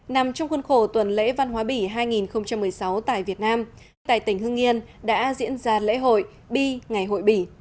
nằm trong khuôn khổ tuần lễ văn hóa bỉ hai nghìn một mươi sáu tại việt nam tại tỉnh hưng yên đã diễn ra lễ hội bi ngày hội bỉ